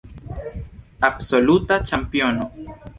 Absoluta ĉampiono.